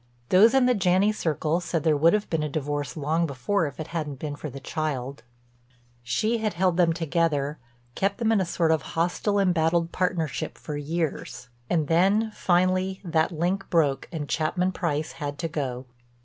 Those in the Janney circle said there would have been a divorce long before if it hadn't been for the child. She had held them together, kept them in a sort of hostile, embattled partnership for years. And then, finally, that link broke and Chapman Price had to go.